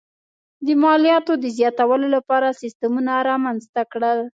د مالیاتو د زیاتولو لپاره سیستمونه رامنځته کړل.